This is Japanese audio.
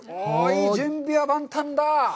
準備は万端だ！